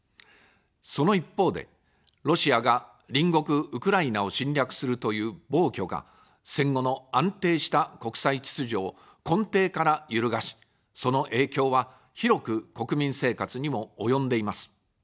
その一方で、ロシアが隣国ウクライナを侵略するという暴挙が、戦後の安定した国際秩序を根底から揺るがし、その影響は広く国民生活にも及んでいます。